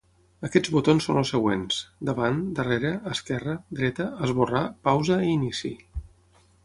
Aquests botons són els següents: davant, darrere, esquerra, dreta, esborrar, pausa i inici.